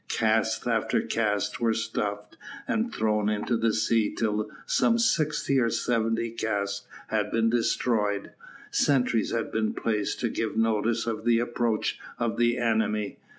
Cask after cask was stove and thrown into the sea till some sixty or seventy casks had been destroyed. Sentries had been placed to give notice of the approach of the enemy.